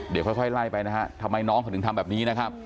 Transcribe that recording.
เดี๋ยวค่อยไล่ไปนะฮะทำไมน้องเขาถึงทำแบบนี้นะครับ